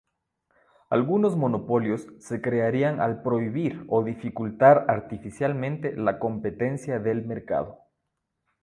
Algunos monopolios se crearían al prohibir o dificultar artificialmente la competencia del mercado.